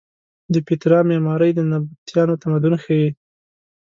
د پیترا معمارۍ د نبطیانو تمدن ښیې.